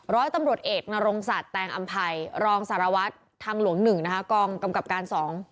ร้อยตำรวจเอกนรงศักดิ์แตงอำภัยรองสารวัตรทางหลวง๑นะคะกองกำกับการ๒